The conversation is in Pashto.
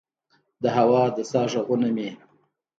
د هوا د سا ه ږغونه مې